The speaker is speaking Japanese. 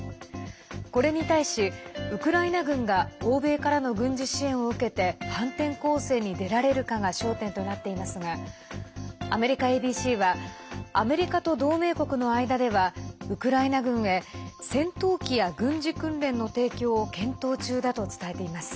これに対し、ウクライナ軍が欧米からの軍事支援を受けて反転攻勢に出られるかが焦点となっていますがアメリカＡＢＣはアメリカと同盟国の間ではウクライナ軍へ戦闘機や軍事訓練の提供を検討中だと伝えています。